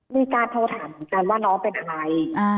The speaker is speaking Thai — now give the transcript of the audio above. มีการโทรถามกันว่าน้องเป็นอะไร